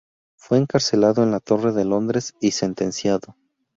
Fue encarcelado en la Torre de Londres y sentenciado.